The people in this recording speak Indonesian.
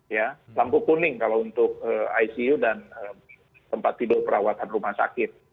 ya lampu kuning kalau untuk icu dan tempat tidur perawatan rumah sakit